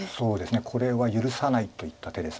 これは許さないといった手です。